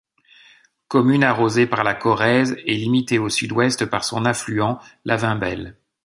Commune arrosée par la Corrèze et limitée au sud-ouest par son affluent, la Vimbelle.